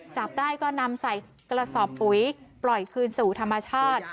จับได้ก็นำใส่กระสอบปุ๋ยปล่อยคืนสู่ธรรมชาติ